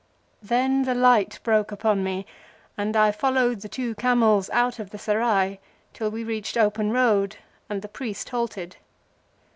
Then the light broke upon me, and I followed the two camels out of the Serai till we reached open road and the priest halted.